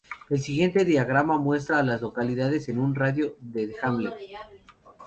El siguiente diagrama muestra a las localidades en un radio de de Hamlet.